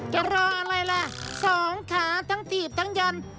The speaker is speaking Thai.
จะรออะไรล่ะสองขาทั้งถีบทั้งยัน